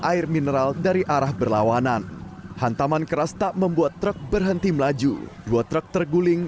air mineral dari arah berlawanan hantaman keras tak membuat truk berhenti melaju dua truk terguling